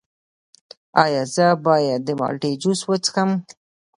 ایا زه باید د مالټې جوس وڅښم؟